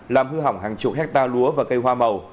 làm hư hỏng hàng chục hectare lúa và cây hoa màu